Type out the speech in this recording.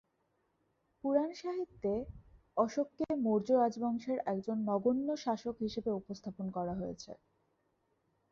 পুরাণ সাহিত্যে অশোককে মৌর্য রাজবংশের একজন নগণ্য শাসক হিসেবে উপস্থাপন করা হয়েছে।